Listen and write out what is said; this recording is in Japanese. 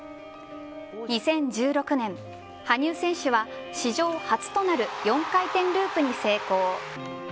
２０１６年羽生選手は史上初となる４回転ループに成功。